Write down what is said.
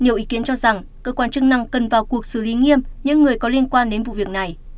nhiều ý kiến cho rằng cơ quan chức năng cần vào cuộc xử lý nghiêm những người có liên quan đến vụ việc này